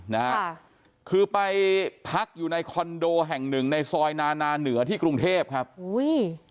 นะฮะค่ะคือไปพักอยู่ในคอนโดแห่งหนึ่งในซอยนานาเหนือที่กรุงเทพครับอุ้ย